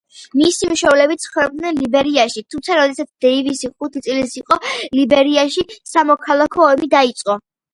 მისი მშობლები ცხოვრობდნენ ლიბერიაში, თუმცა როდესაც დეივისი ხუთი წლის იყო, ლიბერიაში სამოქალაქო ომი დაიწყო.